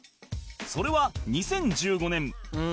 それは２０１５年